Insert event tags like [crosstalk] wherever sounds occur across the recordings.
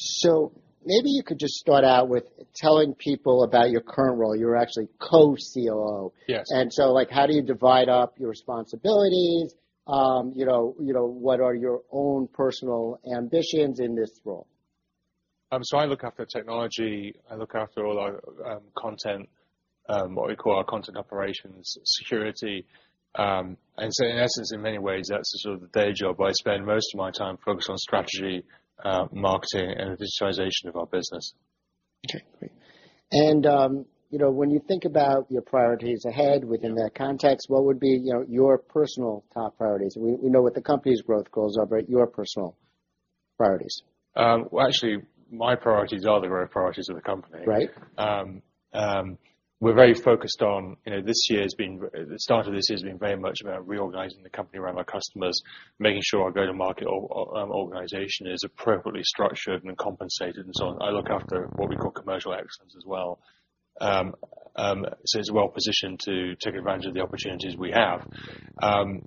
So maybe you could just start out with telling people about your current role. You're actually Co-COO. Yes. How do you divide up your responsibilities? What are your own personal ambitions in this role? I look after technology. I look after all our content, what we call our content operations, security. So, in essence, in many ways, that's sort of the day job. I spend most of my time focused on strategy, marketing, and the digitization of our business. Okay. Great. And when you think about your priorities ahead within that context, what would be your personal top priorities? We know what the company's growth goals are, but your personal priorities? Actually, my priorities are the growth priorities of the company. Right. We're very focused on this year It's been the start, very much about reorganizing the company around our customers, making sure our go-to-market organization is appropriately structured and compensated and so on. I look after what we call commercial excellence as well, so it's well-positioned to take advantage of the opportunities we have, um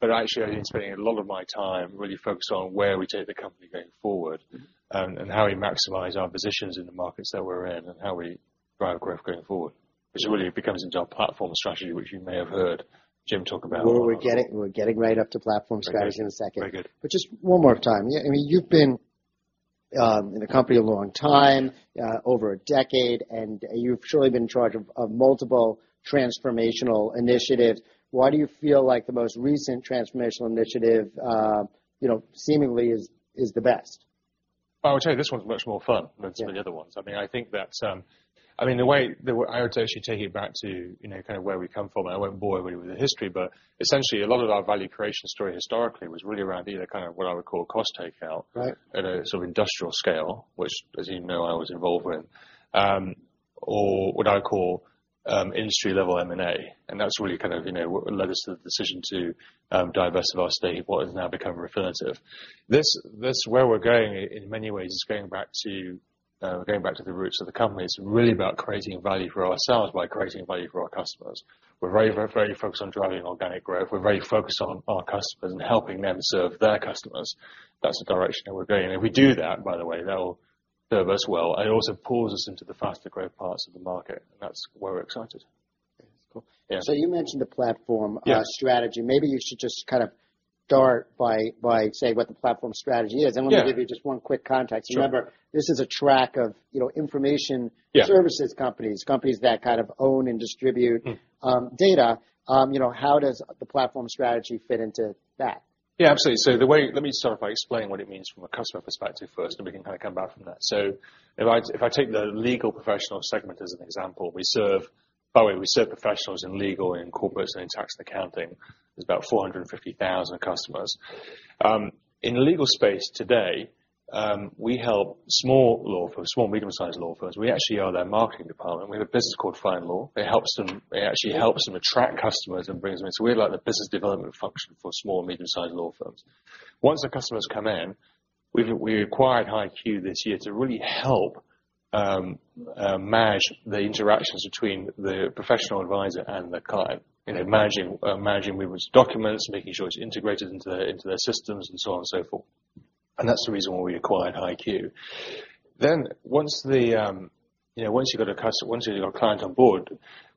but actually, I've been spending a lot of my time really focused on where we take the company going forward and how we maximize our positions in the markets that we're in and how we drive growth going forward. It really becomes into our platform strategy, which you may have heard Jim talk about. We're getting right up to platform strategy in a second. Very good. But just one more time. I mean, you've been in the company a long time, over a decade, and you've surely been in charge of multiple transformational initiatives. Why do you feel like the most recent transformational initiative seemingly is the best? I would say this one's much more fun than some of the other ones. I mean, I think that I mean, the way I would say actually take it back to kind of where we come from. I won't bore everybody with the history, but essentially, a lot of our value creation story historically was really around either kind of what I would call cost takeout at a sort of industrial scale, which, as you know, I was involved with, or what I would call industry-level M&A. And that's really kind of led us to the decision to diversify our stake, what has now become. Where we're going in many ways is going back to the roots of the company. It's really about creating value for us by creating value for our customers. We're very focused on driving organic growth. We're very focused on our customers and helping them serve their customers. That's the direction we're going. And if we do that, by the way, that will serve us well and also pulls us into the faster-growth parts of the market. And that's why we're excited. So, you mentioned the platform [crosstalk] strategy. Maybe you should just kind of start by saying what the platform strategy is. And let me give you just one quick context. Remember, this is a track of information services companies, companies that kind of own and distribute data. How does the platform strategy fit into that? Yeah, absolutely. So let me start by explaining what it means from a customer perspective first, and we can kind of come back from that. So if I take the legal professional segment as an example, we serve by the way, we serve professionals in legal and corporates and in tax and accounting. There's about 450,000 customers. In the legal space today, we help small law firms, small, medium-sized law firms. We actually are their marketing department. We have a business called FindLaw. It actually helps them attract customers and brings them in. So we're like the business development function for small, medium-sized law firms. Once our customers come in, we acquired HighQ this year to really help manage the interactions between the professional advisor and the client, managing movements of documents, making sure it's integrated into their systems, and so on and so forth. And that's the reason why we acquired HighQ. Then once you've got a client on board,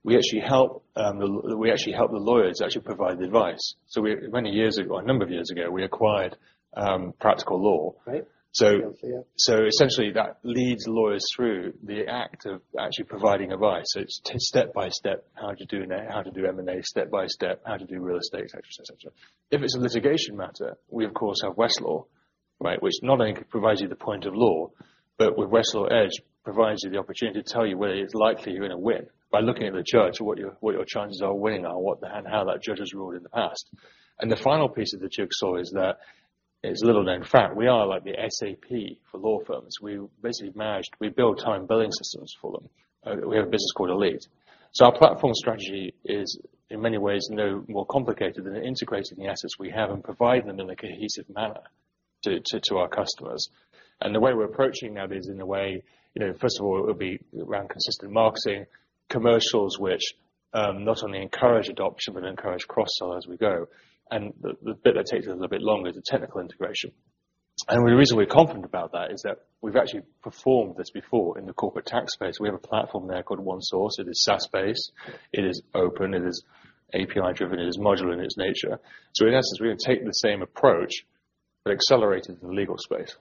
we actually help the lawyers actually provide advice. So many years ago, we acquired Practical Law. Right. So essentially, that leads lawyers through the act of actually providing advice. So it's step by step how to do M&A, step by step how to do real estate, etc., etc. If it's a litigation matter, we, of course, have Westlaw, which not only provides you the point of law, but with Westlaw Edge provides you the opportunity to tell you whether it's likely you're going to win by looking at the judge and what your chances are of winning and how that judge has ruled in the past. And the final piece of the jigsaw is that it's a little-known fact. We are like the SAP for law firms. We build time billing systems for them. We have a business called Elite. So our platform strategy is, in many ways, no more complicated than integrating the assets we have and providing them in a cohesive manner to our customers. The way we're approaching that is in the way, first of all, it would be around consistent marketing, commercials, which not only encourage adoption, but encourage cross-sell as we go. The bit that takes us a little bit longer is the technical integration. The reason we're confident about that is that we've actually performed this before in the corporate tax space. We have a platform there called ONESOURCE. It is SaaS-based. It is open. It is API-driven. It is modular in its nature. In essence, we're going to take the same approach, but accelerate it in the legal space.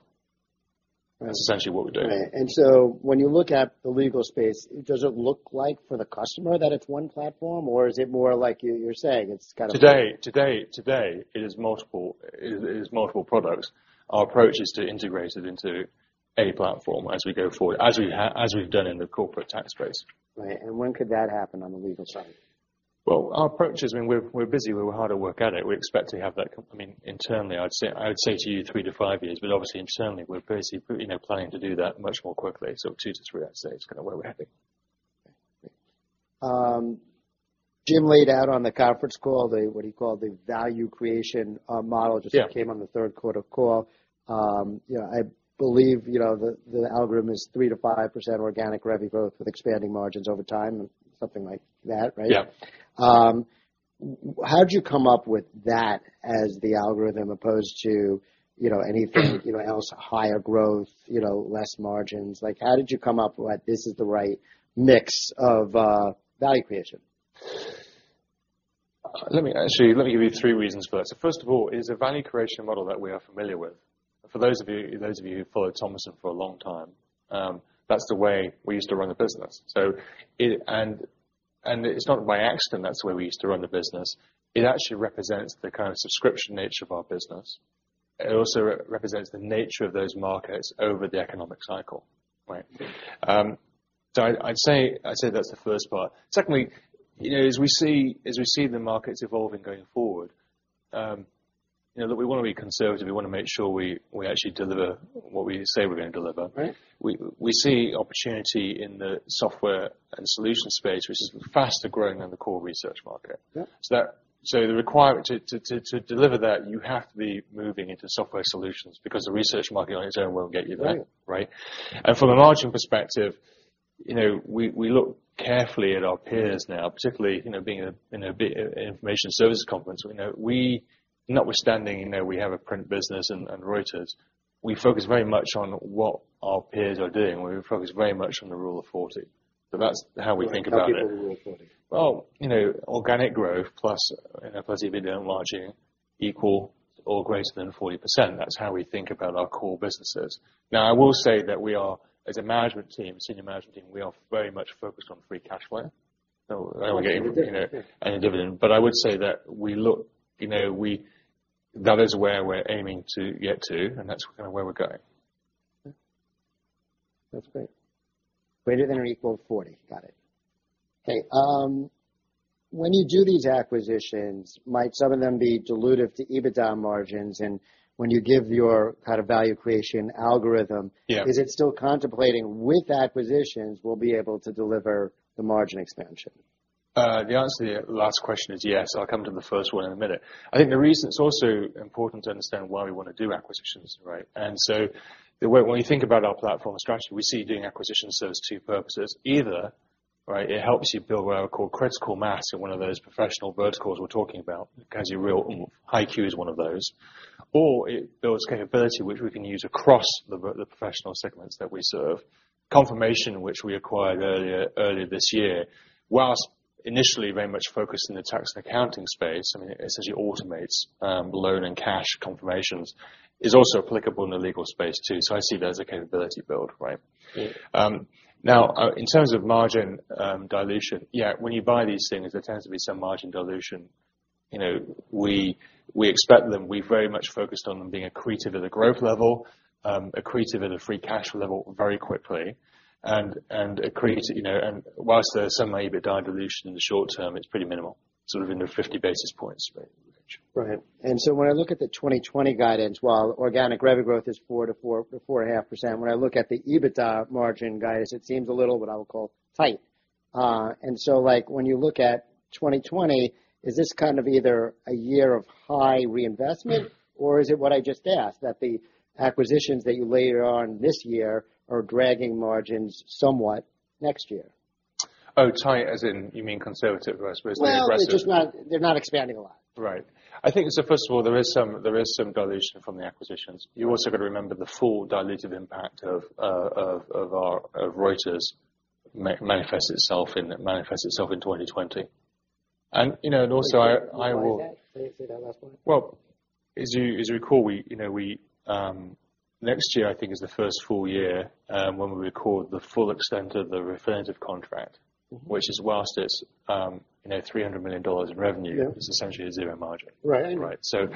That's essentially what we're doing. And so when you look at the legal space, does it look like for the customer that it's one platform, or is it more like you're saying it's kind of? Today, today, it is multiple products. Our approach is to integrate it into a platform as we go forward, as we've done in the corporate tax space. Right, and when could that happen on the legal side? Our approach is, I mean, we're busy. We're hard at work at it. We expect to have that, I mean, internally. I would say to you three to five years, but obviously, internally, we're basically planning to do that much more quickly. So two to three, I'd say, is kind of where we're heading. Okay. Great. Jim laid out on the conference call what he called the value creation model. It just came on the third quarter call. I believe the algorithm is 3%-5% organic revenue growth with expanding margins over time, something like that, right? Yeah. How did you come up with that as the algorithm opposed to anything else, higher growth, less margins? How did you come up with, "This is the right mix of value creation"? Actually, let me give you three reasons for that, so first of all, it's a value creation model that we are familiar with. For those of you who followed Thomson for a long time, that's the way we used to run the business, and it's not by accident that's the way we used to run the business. It actually represents the kind of subscription nature of our business. It also represents the nature of those markets over the economic cycle, so I'd say that's the first part. Secondly, as we see the markets evolving going forward, we want to be conservative. We want to make sure we actually deliver what we say we're going to deliver. We see opportunity in the software and solution space, which is faster growing than the core research market. So the requirement to deliver that, you have to be moving into software solutions because the research market on its own won't get you there, right? And from a margin perspective, we look carefully at our peers now, particularly being in an information services conference. Notwithstanding, we have a print business and Reuters. We focus very much on what our peers are doing. We focus very much on the Rule of 40. So that's how we think about it. How do you get to the Rule of 40? Organic growth plus EBITDA and margin equal or greater than 40%. That's how we think about our core businesses. Now, I will say that we are, as a management team, a senior management team, we are very much focused on free cash flow. So we're getting any dividend. But I would say that we look that is where we're aiming to get to, and that's kind of where we're going. That's great. Greater than or equal to 40. Got it. Okay. When you do these acquisitions, might some of them be dilutive to EBITDA margins? And when you give your kind of value creation algorithm, is it still contemplating with acquisitions we'll be able to deliver the margin expansion? The answer to your last question is yes. I'll come to the first one in a minute. I think the reason it's also important to understand why we want to do acquisitions, right? And so when we think about our platform strategy, we see doing acquisitions serves two purposes. Either it helps you build what I would call critical mass in one of those professional verticals we're talking about because HighQ is one of those, or it builds capability which we can use across the professional segments that we serve. Confirmation, which we acquired earlier this year, while initially very much focused in the tax and accounting space, I mean, essentially automates loan and cash confirmations, is also applicable in the legal space too. So I see there's a capability build, right? Now, in terms of margin dilution, yeah, when you buy these things, there tends to be some margin dilution. We expect them. We've very much focused on them being accretive at the growth level, accretive at the free cash level very quickly, and while there's some EBITDA dilution in the short term, it's pretty minimal, sort of in the 50 basis points range. Right. And so when I look at the 2020 guidance, well, organic revenue growth is 4%-4.5%. When I look at the EBITDA margin guidance, it seems a little, what I would call, tight. And so when you look at 2020, is this kind of either a year of high reinvestment, or is it what I just asked, that the acquisitions that you layer on this year are dragging margins somewhat next year? Oh, tight as in you mean conservative, or I suppose? They're not expanding a lot. Right. I think so. First of all, there is some dilution from the acquisitions. You also got to remember the full diluted impact of Reuters manifests itself in 2020. And also, I will. Say that last part. As you recall, next year, I think, is the first full year when we record the full extent of the Refinitiv contract, which is, while it's $300 million in revenue, it's essentially a zero margin, right? So,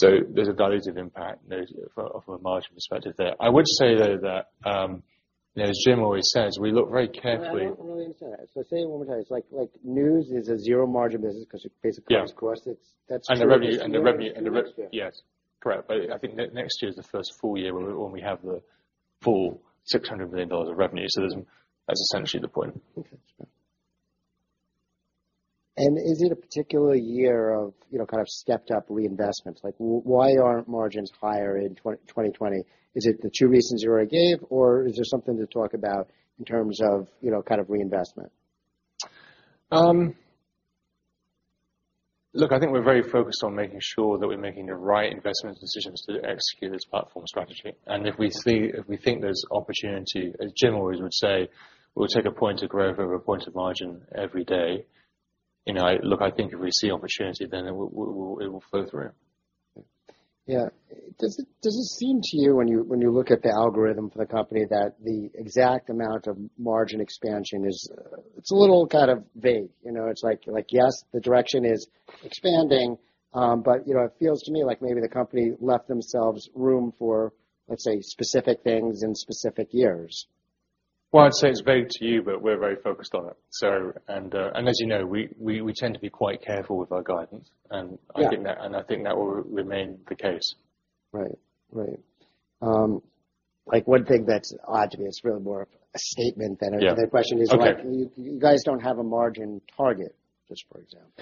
there's a dilutive impact from a margin perspective there. I would say, though, that, as Jim always says, we look very carefully. I'm not even sure. So, say one more time, it's like news is a zero-margin business because it basically goes across. That's the revenue structure. Yes. Correct. But I think next year is the first full year when we have the full $600 million of revenue. So that's essentially the point. Okay. And is it a particular year of kind of stepped-up reinvestments? Why aren't margins higher in 2020? Is it the two reasons you already gave, or is there something to talk about in terms of kind of reinvestment? Look, I think we're very focused on making sure that we're making the right investment decisions to execute this platform strategy, and if we think there's opportunity, as Jim always would say, we'll take a point of growth over a point of margin every day. Look, I think if we see opportunity, then it will flow through. Yeah. Does it seem to you, when you look at the algorithm for the company, that the exact amount of margin expansion is it's a little kind of vague? It's like, yes, the direction is expanding, but it feels to me like maybe the company left themselves room for, let's say, specific things in specific years? I'd say it's vague to you, but we're very focused on it. As you know, we tend to be quite careful with our guidance. I think that will remain the case. Right. Right. One thing that's odd to me is it's really more of a statement than a question is, you guys don't have a margin target, just for example.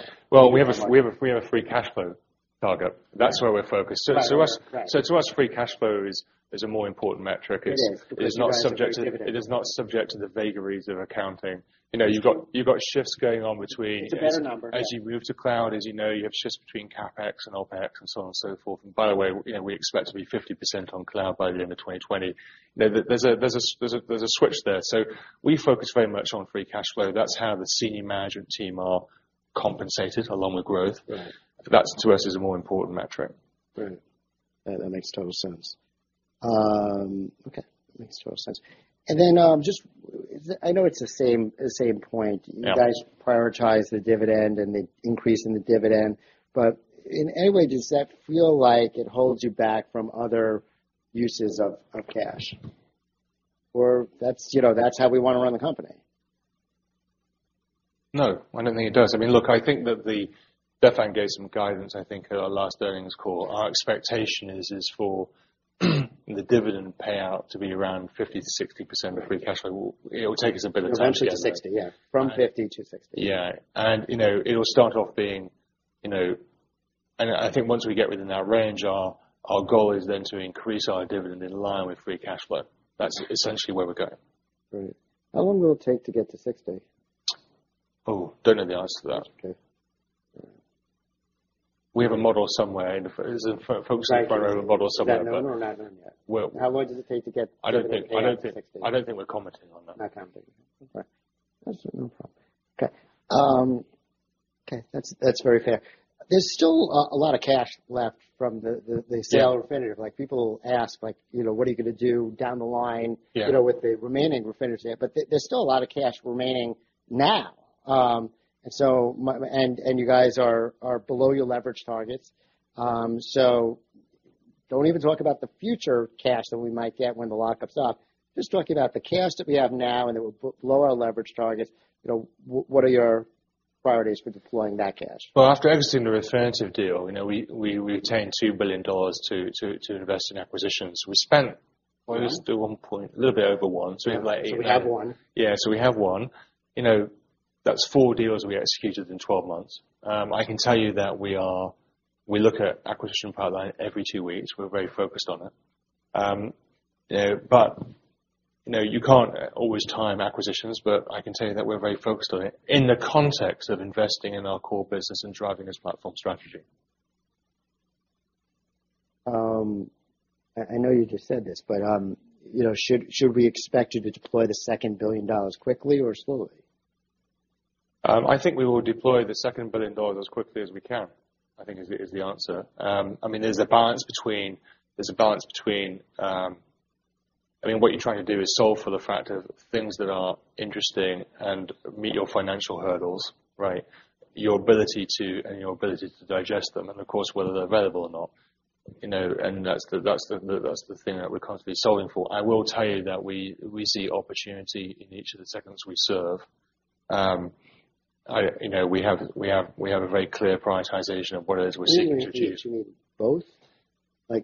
We have a free cash flow target. That's where we're focused. So to us, free cash flow is a more important metric. It is not subject to the vagaries of accounting. You've got shifts going on between. It's a better number. As you move to cloud, as you know, you have shifts between CapEx and OpEx and so on and so forth, and by the way, we expect to be 50% on cloud by the End of 2020. There's a switch there, so we focus very much on free Cash flow. That's how the senior management team are compensated along with growth. That to us is a more important metric. Right. That makes total sense. And then I know it's the same point. You guys prioritize the dividend and the increase in the dividend. But in any way, does that feel like it holds you back from other uses of cash? Or that's how we want to run the company? No. I don't think it does. I mean, look, I think that they definitely gave some guidance, I think, at our last earnings call. Our expectation is for the dividend payout to be around 50%-60% of free cash flow. It will take us a bit of time. From 50% to 60%, yeah. From 50% to 60%. Yeah, and it will start off being, and I think once we get within that range, our goal is then to increase our dividend in line with free cash flow. That's essentially where we're going. Right. How long will it take to get to 60%? Oh, don't know the answer to that. We have a model somewhere. Is it focusing on a model somewhere? No, no, no. Not yet. How long does it take to get to 60%? I don't think we're commenting on that. Not commenting. Right. That's no problem. Okay. Okay. That's very fair. There's still a lot of cash left from the sale of Refinitiv. People ask, "What are you going to do down the line with the remaining Refinitiv?" But there's still a lot of cash remaining now. And you guys are below your leverage targets. So don't even talk about the future cash that we might get when the lockup's up. Just talking about the cash that we have now and that will blow our leverage targets, what are your priorities for deploying that cash? After exiting the Refinitiv deal, we retained $2 billion to invest in acquisitions. We spent, what is the one point? A little bit over one. So, we have like eight. We have one. Yeah. So we have one. That's four deals we executed in 12 months. I can tell you that we look at acquisition pipeline every two weeks. We're very focused on it. But you can't always time acquisitions, but I can tell you that we're very focused on it in the context of investing in our core business and driving this platform strategy. I know you just said this, but should we expect you to deploy the $2 billion quickly or slowly? I think we will deploy the $2 billion as quickly as we can, I think, is the answer. I mean, there's a balance between I mean, what you're trying to do is solve for the fact of things that are interesting and meet your financial hurdles, right? Your ability to digest them, and of course, whether they're available or not, and that's the thing that we're constantly solving for. I will tell you that we see opportunity in each of the segments we serve. We have a very clear prioritization of what it is we're seeking to achieve. You're going to continue both?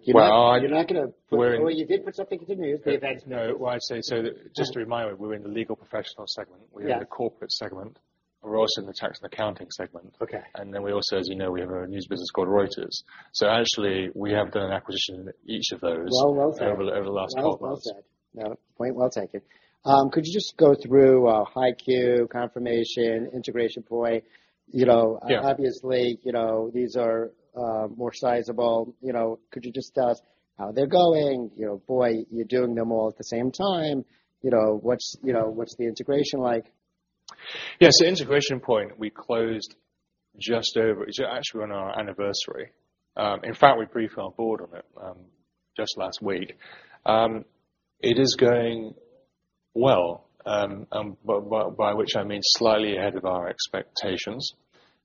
You're not going to put something continuously. No. Well, I'd say so, just to remind you, we're in the legal professional segment. We're in the corporate segment. We're also in the tax and accounting segment, and then we also, as you know, we have a news business called Reuters, so actually, we have done an acquisition in each of those over the last 12 months. Well, well said. Well, well taken. Could you just go through HighQ, Confirmation, Integration Point? Obviously, these are more sizable. Could you just tell us how they're going? Boy, you're doing them all at the same time. What's the integration like? Yeah. So, Integration Point, we closed just over, it's actually on our anniversary. In fact, we briefed our board on it just last week. It is going well, by which I mean slightly ahead of our expectations.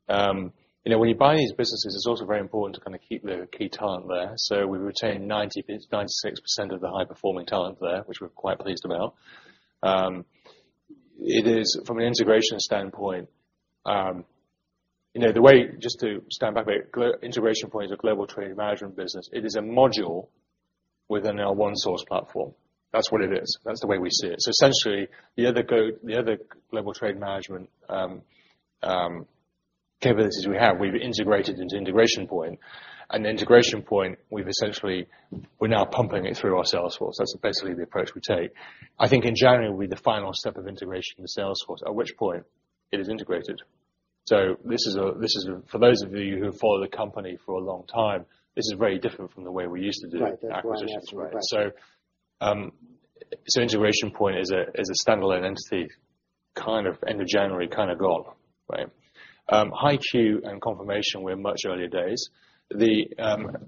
When you buy these businesses, it's also very important to kind of keep the key talent there. So, we retain 96% of the high-performing talent there, which we're quite pleased about. It is, from an integration standpoint, the way. Just to stand back a bit, Integration Point is a global trade management business. It is a module within our ONESOURCE platform. That's what it is. That's the way we see it. So, essentially, the other global trade management capabilities we have, we've integrated into Integration Point. And, Integration Point, we're now pumping it through our Salesforce. That's basically the approach we take. I think in January will be the final step of integration with Salesforce, at which point it is integrated. So this is, for those of you who follow the company for a long time, this is very different from the way we used to do acquisitions. So Integration Point is a standalone entity kind of end of January, kind of gone, right? HighQ and Confirmation were in much earlier days. The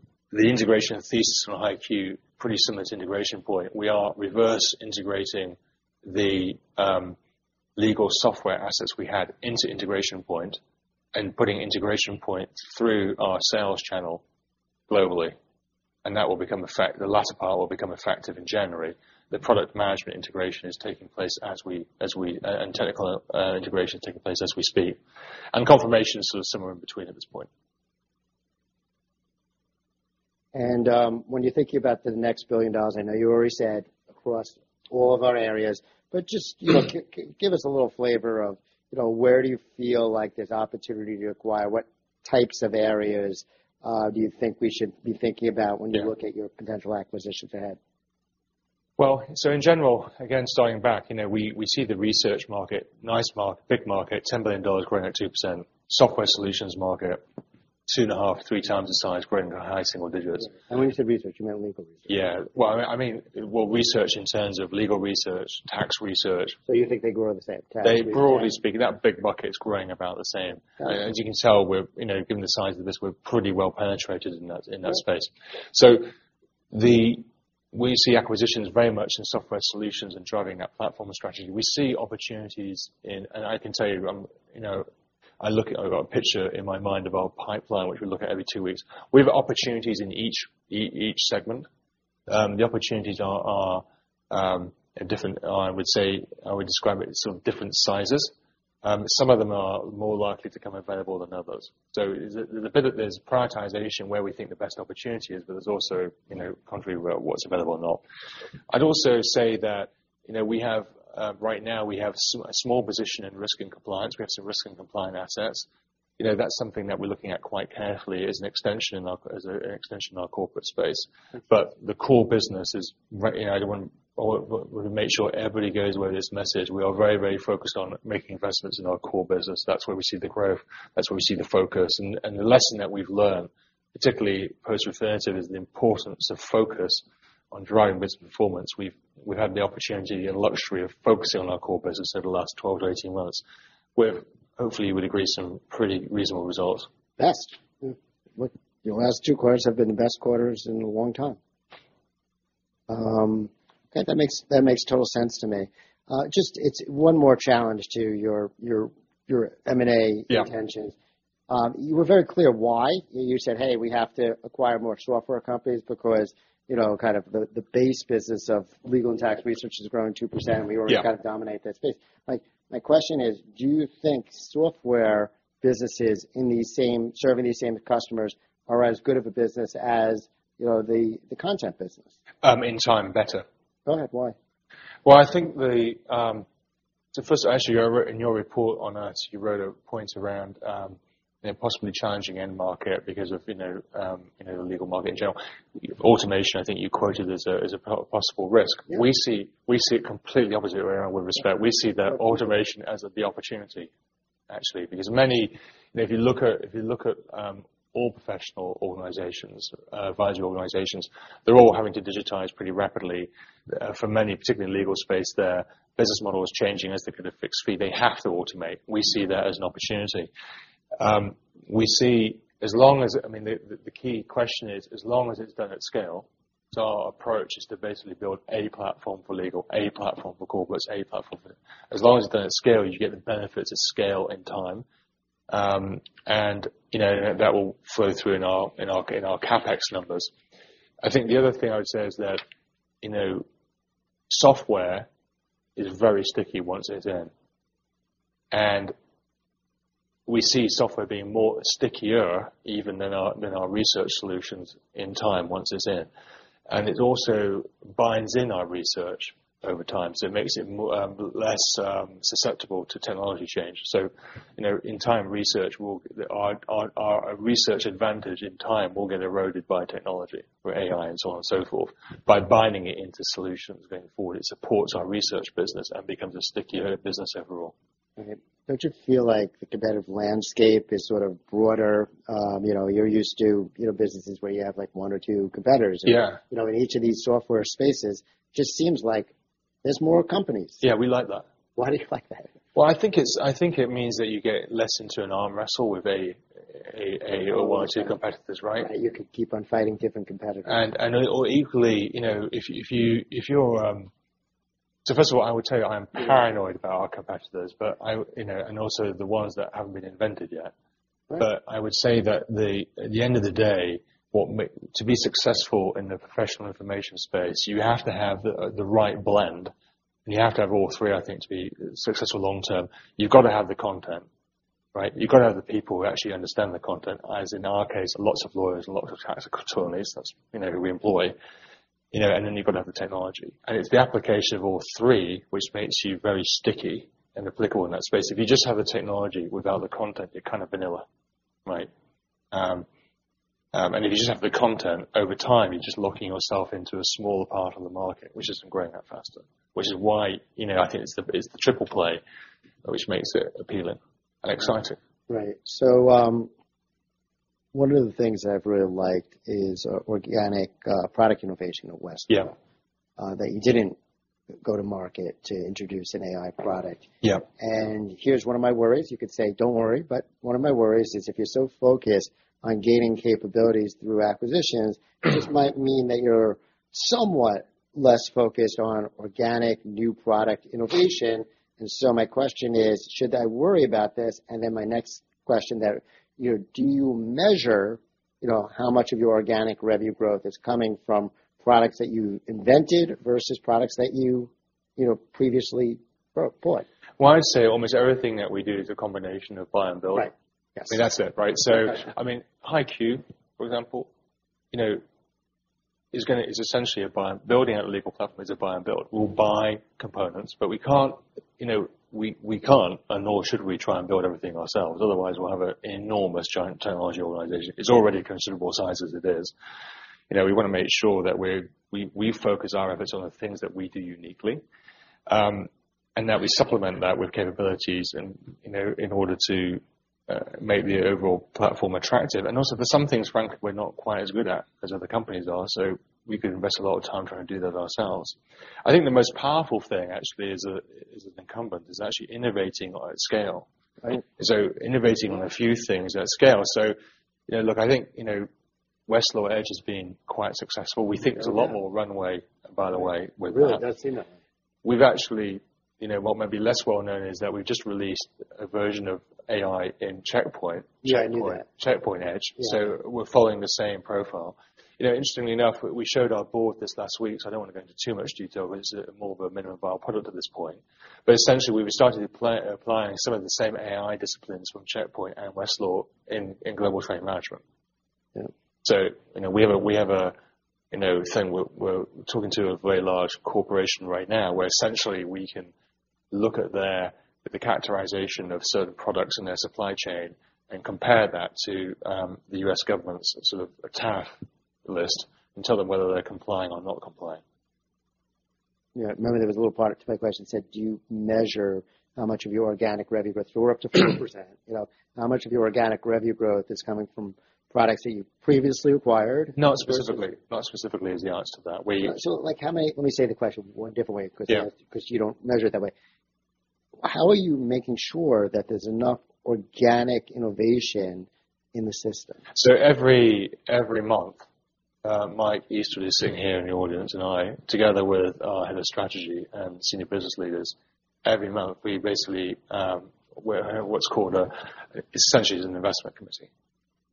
integration thesis on HighQ, pretty similar to Integration Point. We are reverse integrating the legal software assets we had into Integration Point and putting Integration Point through our sales channel globally. And that will become the latter part effective in January. The product management integration is taking place as we speak, and technical integration is taking place as we speak. And Confirmation is sort of somewhere in between at this point. When you think about the next $1 billion, I know you already said across all of our areas, but just give us a little flavor of where do you feel like there's opportunity to acquire? What types of areas do you think we should be thinking about when you look at your potential acquisitions ahead? In general, again, starting back, we see the research market, nice market, big market, $10 billion growing at 2%. Software solutions market, two and a half, three times the size growing to high single digits. When you say research, you meant legal research? Yeah. Well, I mean, research in terms of legal research, tax research. You think they grow the same? They broadly speaking, that big bucket is growing about the same. As you can tell, given the size of this, we're pretty well penetrated in that space. So we see acquisitions very much in software solutions and driving that platform strategy. We see opportunities in, and I can tell you, I got a picture in my mind of our pipeline, which we look at every two weeks. We have opportunities in each segment. The opportunities are different, I would say, I would describe it as sort of different sizes. Some of them are more likely to come available than others. So there's a bit of prioritization where we think the best opportunity is, but there's also contrary where what's available or not. I'd also say that we have right now, we have a small position in risk and compliance. We have some risk and compliance assets. That's something that we're looking at quite carefully as an extension in our corporate space. But the core business is. I want to make sure everybody gets this message. We are very, very focused on making investments in our core business. That's where we see the growth. That's where we see the focus. And the lesson that we've learned, particularly post-Refinitiv, is the importance of focus on driving business performance. We've had the opportunity and luxury of focusing on our core business over the last 12-18 months, where hopefully we'd agree some pretty reasonable results. Best. The last two quarters have been the best quarters in a long time. Okay. That makes total sense to me. Just one more challenge to your M&A intentions. You were very clear why. You said, "Hey, we have to acquire more software companies because kind of the base business of legal and tax research is growing 2%, and we already kind of dominate that space." My question is, do you think software businesses in these same serving these same customers are as good of a business as the content business? In time, better. Go ahead. Why? Well, I think the first, actually, in your report on us, you wrote a point around possibly challenging end market because of the legal market in general. Automation, I think you quoted as a possible risk. We see it completely opposite around with respect. We see the automation as the opportunity, actually, because many, if you look at all professional organizations, advisory organizations, they're all having to digitize pretty rapidly. For many, particularly in the legal space, their business model is changing as they get a fixed fee. They have to automate. We see that as an opportunity. We see, as long as I mean, the key question is, as long as it's done at scale. So our approach is to basically build a platform for legal, a platform for corporates, a platform for as long as it's done at scale, you get the benefits of scale in time. That will flow through in our CapEx numbers. I think the other thing I would say is that software is very sticky once it's in. We see software being stickier even than our research solutions in time once it's in. It also binds our research over time. It makes it less susceptible to technology change. In time, our research advantage will get eroded by technology for AI and so on and so forth. By binding it into solutions going forward, it supports our research business and becomes a stickier business overall. Right. Don't you feel like the competitive landscape is sort of broader? You're used to businesses where you have one or two competitors in each of these software spaces. It just seems like there's more companies. Yeah. We like that. Why do you like that? I think it means that you get less into an arm wrestle with one or two competitors, right? You could keep on fighting different competitors. Equally, first of all, I would tell you I am paranoid about our competitors, and also the ones that haven't been invented yet. I would say that at the end of the day, to be successful in the professional information space, you have to have the right blend. You have to have all three, I think, to be successful long term. You've got to have the content, right? You've got to have the people who actually understand the content, as in our case, lots of lawyers and lots of tax attorneys that we employ. You've got to have the technology. It's the application of all three, which makes you very sticky and applicable in that space. If you just have the technology without the content, you're kind of vanilla, right? If you just have the content, over time, you're just locking yourself into a smaller part of the market, which isn't growing that faster. Which is why I think it's the triple play, which makes it appealing and exciting. Right. So one of the things I've really liked is organic product innovation at Westlaw, that you didn't go to market to introduce an AI product. And here's one of my worries. You could say, "Don't worry." But one of my worries is if you're so focused on gaining capabilities through acquisitions, it just might mean that you're somewhat less focused on organic new product innovation. And so my question is, should I worry about this? And then my next question, do you measure how much of your organic revenue growth is coming from products that you invented versus products that you previously bought? I'd say almost everything that we do is a combination of buy and build. I mean, that's it, right? So I mean, HighQ, for example, is essentially a buy and build. Building a legal platform is a buy and build. We'll buy components, but we can't and nor should we try and build everything ourselves. Otherwise, we'll have an enormous giant technology organization. It's already a considerable size as it is. We want to make sure that we focus our efforts on the things that we do uniquely and that we supplement that with capabilities in order to make the overall platform attractive. And also, for some things, frankly, we're not quite as good at as other companies are. So, we could invest a lot of time trying to do that ourselves. I think the most powerful thing, actually, as an incumbent is actually innovating at scale. So, innovating on a few things at scale. So, look, I think Westlaw Edge has been quite successful. We think there's a lot more runway, by the way, with that. Really? That's enough. What may be less well known is that we've just released a version of AI in Checkpoint. Yeah, I knew that. Checkpoint Edge. So we're following the same profile. Interestingly enough, we showed our board this last week. So I don't want to go into too much detail, but it's more of a minimum viable product at this point. But essentially, we've started applying some of the same AI disciplines from Checkpoint and Westlaw in global trade management. So we have a thing we're talking to a very large corporation right now where essentially we can look at the characterization of certain products in their supply chain and compare that to the U.S. government's sort of tariff list and tell them whether they're complying or not complying. Yeah. Remember there was a little addendum to my question that said, "Do you measure how much of your organic revenue growth?" If you're up to 4%, how much of your organic revenue growth is coming from products that you previously acquired? Not specifically. Not specifically is the answer to that. Let me say the question one different way because you don't measure it that way. How are you making sure that there's enough organic innovation in the system? Every month, Mike Eastwood is sitting here in the audience and I, together with our head of strategy and senior business leaders, every month we basically what's called essentially an investment committee.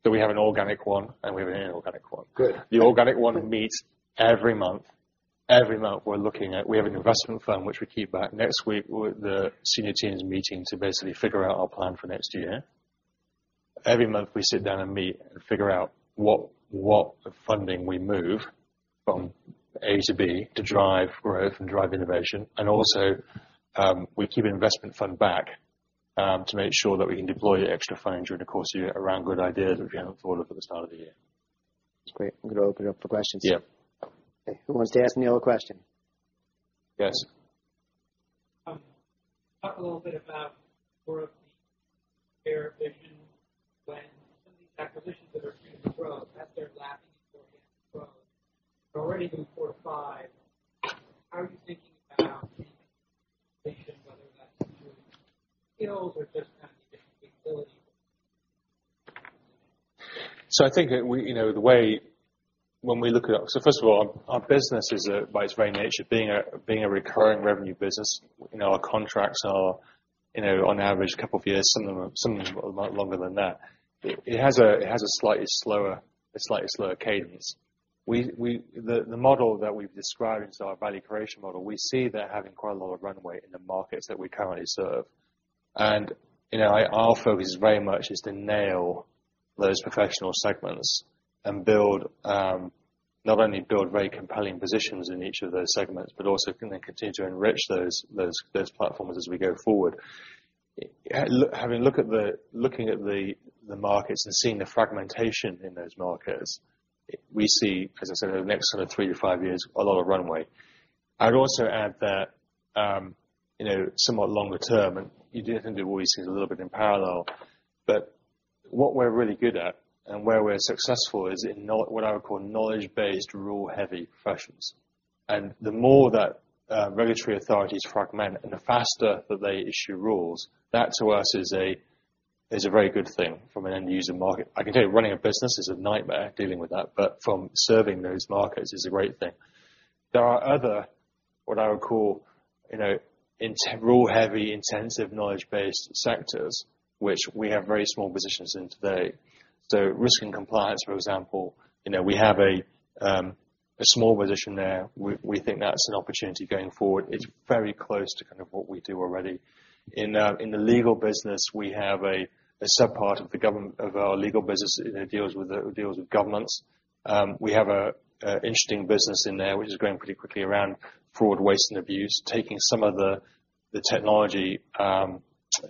We have an organic one and we have an inorganic one. The organic one meets every month. Every month we're looking at we have an investment firm which we keep back. Next week, the senior team is meeting to basically figure out our plan for next year. Every month we sit down and meet and figure out what funding we move from A to B to drive growth and drive innovation. We also keep an investment fund back to make sure that we can deploy extra funds during the course of the year around good ideas that we haven't thought of at the start of the year. That's great. I'm going to open it up for questions. Yeah. Okay. Who wants to ask another question? Yes. Talk a little bit more about the comparative vision when some of these acquisitions that are trying to grow, as they're lapping and growing. They're already doing four to five. How are you thinking about the innovation, whether that's through skills or just kind of the additional capability? So, I think first of all, our business is, by its very nature, being a recurring revenue business. Our contracts are, on average, a couple of years, some of them are longer than that. It has a slightly slower cadence. The model that we've described as our value creation model, we see that having quite a lot of runways in the markets that we currently serve. Our focus is very much to nail those professional segments and not only build very compelling positions in each of those segments, but also then continue to enrich those platforms as we go forward. Having looked at the markets and seeing the fragmentation in those markets, we see, as I said, over the next sort of 3-5 years, a lot of runways. I'd also add that somewhat longer term, and you do have to do what we see a little bit in parallel, but what we're really good at and where we're successful is in what I would call knowledge-based, rule-heavy professions, and the more that regulatory authorities fragment and the faster that they issue rules, that to us is a very good thing from an end-user market. I can tell you, running a business is a nightmare dealing with that, but from serving those markets is a great thing. There are other, what I would call, rule-heavy, intensive knowledge-based sectors, which we have very small positions in today, so risk and compliance, for example, we have a small position there. We think that's an opportunity going forward. It's very close to kind of what we do already. In the legal business, we have a subpart of our legal business that deals with governments. We have an interesting business in there which is growing pretty quickly around fraud, waste, and abuse, taking some of the technology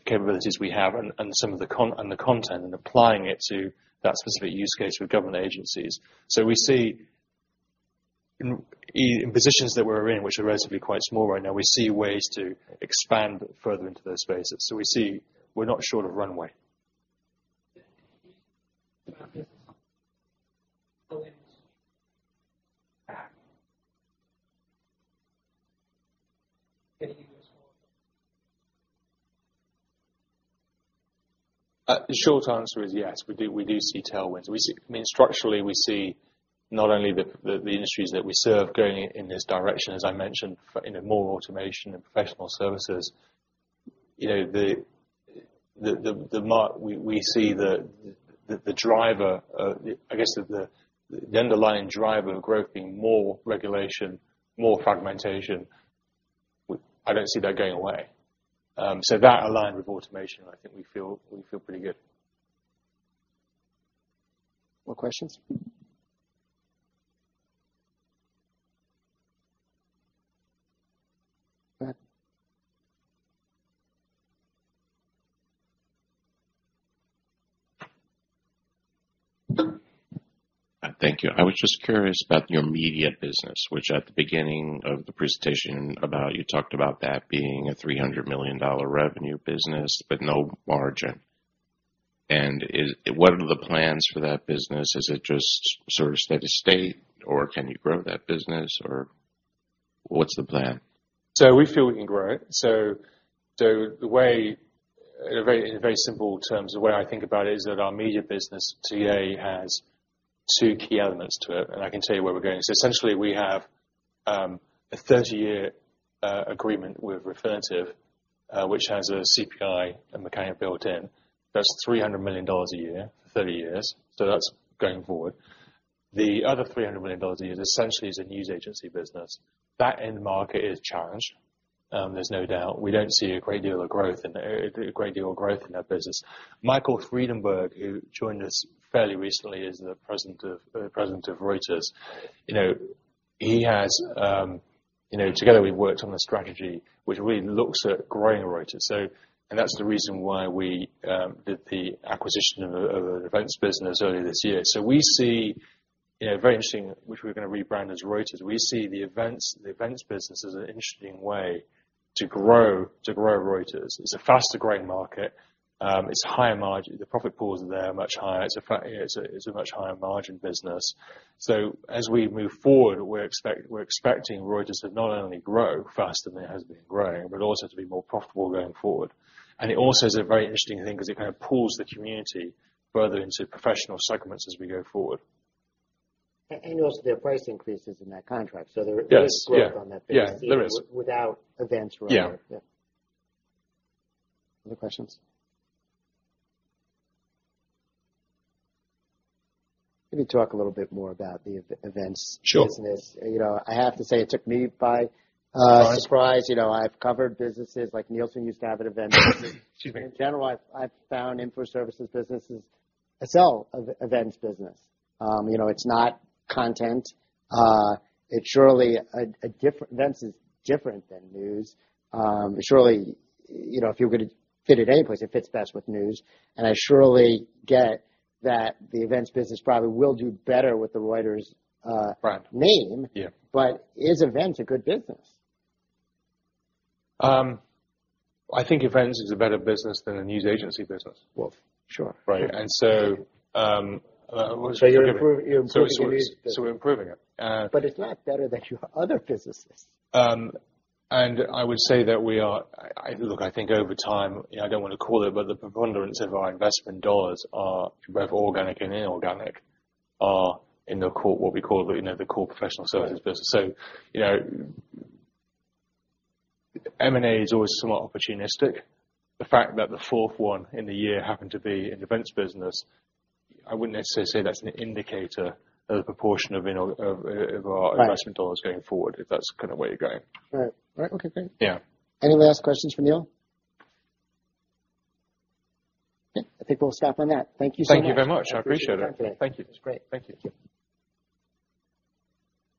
capabilities we have and some of the content and applying it to that specific use case with government agencies. So, we see in positions that we're in, which are relatively quite small right now, we see ways to expand further into those spaces. So, we're not short of runway. The short answer is yes. We do see tailwinds. I mean, structurally, we see not only the industries that we serve going in this direction, as I mentioned, more automation and professional services. We see the driver, I guess the underlying driver of growth being more regulation, more fragmentation. I don't see that going away. So that aligned with automation, I think we feel pretty good. More questions? Go ahead. Thank you. I was just curious about your media business, which at the beginning of the presentation about you talked about that being a $300 million revenue business, but no margin. And what are the plans for that business? Is it just sort of steady state, or can you grow that business, or what's the plan? So, we feel we can grow it. So, in very simple terms, the way I think about it is that our media business today has two key elements to it. And I can tell you where we're going. So essentially, we have a 30-year agreement with Refinitiv, which has a CPI and mechanic built in. That's $300 million a year for 30 years. So that's going forward. The other $300 million a year essentially is a news agency business. That end market is challenged. There's no doubt. We don't see a great deal of growth in that business. Michael Friedenberg, who joined us fairly recently, is the President of Reuters. He, has together, we've worked on a strategy which really looks at growing Reuters. And that's the reason why we did the acquisition of an events business earlier this year. So, we see very interesting, which we're going to rebrand as Reuters. We see the events business as an interesting way to grow Reuters. It's a faster-growing market. It's higher margin. The profit pools are there much higher. It's a much higher margin business, so as we move forward, we're expecting Reuters to not only grow faster than it has been growing, but also to be more profitable going forward, and it also is a very interesting thing because it kind of pulls the community further into professional segments as we go forward. Also their price increases in that contract. There is growth on that base. Yeah. There is. Without events running. Yeah. Other questions? Maybe talk a little bit more about the events business. I have to say it took me by surprise. I've covered businesses like Nielsen used to have at events. Excuse me. In general, I've found info services businesses sell events business. It's not content. Events is different than news. Surely, if you're going to fit it anyplace, it fits best with news. And I surely get that the events business probably will do better with the Reuters name. But is events a good business? I think events is a better business than a news agency business. Well, sure. Right? And so. You're improving it. We're improving it. But it's not better than your other businesses. I would say that we are, look, I think over time, I don't want to call it, but the preponderance of our investment dollars, both organic and inorganic, are in what we call the core professional services business. So M&A is always somewhat opportunistic. The fact that the fourth one in the year happened to be in the events business, I wouldn't necessarily say that's an indicator of the proportion of our investment dollars going forward, if that's kind of where you're going. Right. Right. Okay. Great. Yeah. Any last questions for Neil? Okay. I think we'll stop on that. Thank you so much. Thank you very much. I appreciate it. Thank you. Thank you. That's great. Thank you.